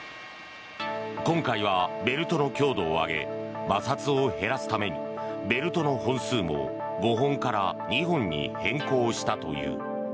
今回はベルトの強度を上げ摩擦を減らすためにベルトの本数も５本から２本に変更したという。